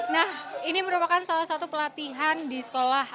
nah ini merupakan salah satu pelatihan di sekolah